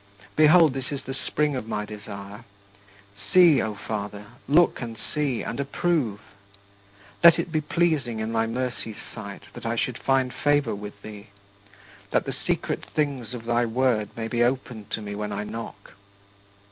Behold, this is the spring of my desire. See, O Father, look and see and approve! Let it be pleasing in thy mercy's sight that I should find favor with thee that the secret things of thy Word may be opened to me when I knock.